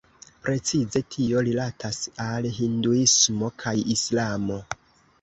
Precize tio rilatas al Hinduismo kaj Islamo.